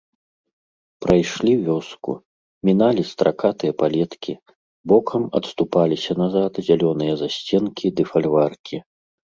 Прайшлі вёску, міналі стракатыя палеткі, бокам адступаліся назад зялёныя засценкі ды фальваркі.